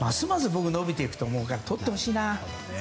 僕伸びていくと思うからとってほしいな。